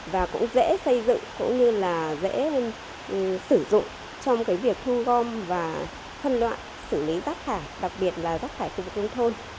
và cũng dễ xây dựng cũng như dễ sử dụng trong việc thu gom và phân loại xử lý rác thải đặc biệt là rác thải của vụ công thôn